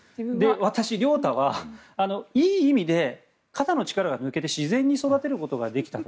私、亮太はいい意味で肩の力が抜けて自然に育てることができたと。